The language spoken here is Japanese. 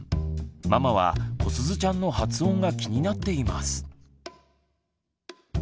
ママはこすずちゃんの発音が気になっています。